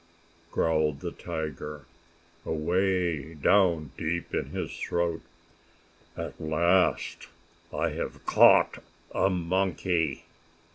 growled the tiger, away down deep in his throat. "At last I have caught a monkey!"